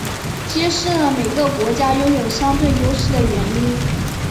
揭示了每个国家拥有相对优势的原因。